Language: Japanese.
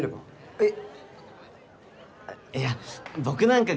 えっ？